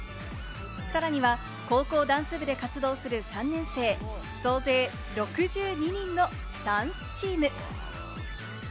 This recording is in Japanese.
さらには高校ダンス部で活動する３年生、総勢６２人のダンスチーム。